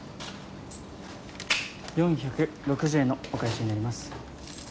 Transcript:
４６０円のお返しになります。